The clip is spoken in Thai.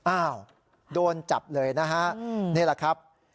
อ้าวโดนจับเลยนะฮะนี่แหละครับ